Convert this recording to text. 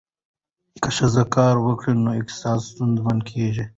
که ښځه کار وکړي، نو اقتصادي ستونزې کمېږي.